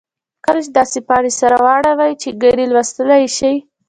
کله یې داسې پاڼې سره واړوئ چې ګنې لوستلای یې شئ.